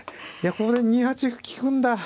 ここで２八歩利くんだ。